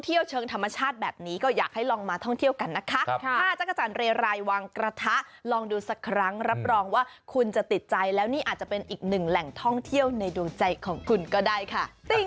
เที่ยวเชิงธรรมชาติแบบนี้ก็อยากให้ลองมาท่องเที่ยวกันนะคะถ้าจักรจันทร์เรไรวางกระทะลองดูสักครั้งรับรองว่าคุณจะติดใจแล้วนี่อาจจะเป็นอีกหนึ่งแหล่งท่องเที่ยวในดวงใจของคุณก็ได้ค่ะ